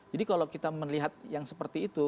jadi kalau kita melihat yang seperti itu